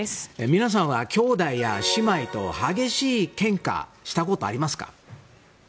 皆さんはきょうだいや姉妹と激しいけんかしたことありますか？